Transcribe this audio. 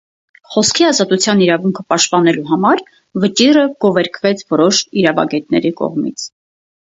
Խոսքի ազատության իրավունքը պաշտպանելու համար վճիռը գովերգվեց որոշ իրավագետների կողմից։